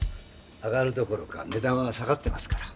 上がるどころかねだんは下がってますから。